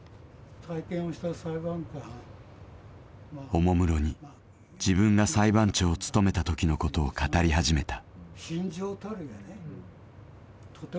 おもむろに自分が裁判長を務めたときのことを語り始めた。